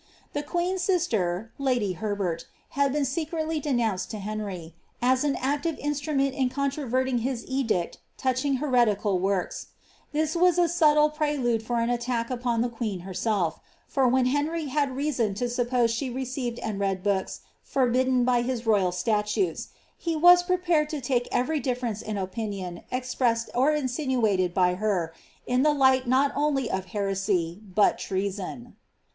lis queen's sister, lady Herbert, had been secretly denounced lo Heniy, an active instrument in controterting his edict touching ~ This WM a subtle prelude for an attack upon the qwean hsiaslf; Isr when Henry had reason to suppose she received and read hooka fa^ bidden by his royal statutes, he was prepared to lake every diftrsnet in opinion expressed or insinuated by her, in the light not only cf heresy, but treason.